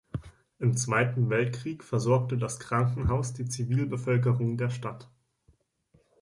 Im Zweiten Weltkrieg versorgte das Krankenhaus die Zivilbevölkerung der Stadt.